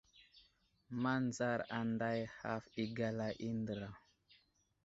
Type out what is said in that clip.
Manzar anday haf i gala i andra.